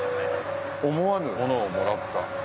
思わぬものをもらった。